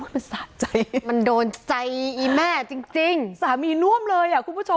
มันสะใจมันโดนใจอีแม่จริงสามีน่วมเลยอ่ะคุณผู้ชม